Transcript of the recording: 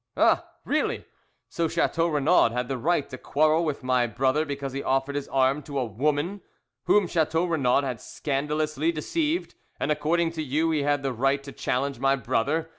"Ah, really! So Chateau Renaud had the right to quarrel with my brother because he offered his arm to a woman whom Chateau Renaud had scandalously deceived, and according to you he had the right to challenge my brother.